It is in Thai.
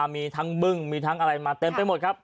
มีทั้งบึ้งมีทั้งอะไรมาเต็มไปหมดครับ